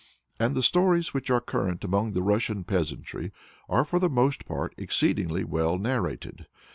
And the stories which are current among the Russian peasantry are for the most part exceedingly well narrated.